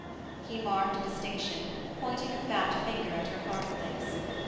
He marked a distinction, pointing a fat finger at her heart place.